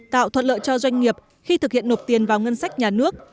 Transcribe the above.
tạo thuận lợi cho doanh nghiệp khi thực hiện nộp tiền vào ngân sách nhà nước